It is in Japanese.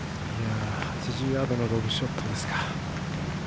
８０ヤードのロブショットですか。